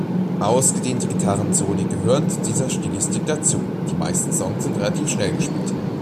Ausgedehnte Gitarrensoli gehören zu dieser Stilistik dazu, die meisten Songs sind relativ schnell gespielt.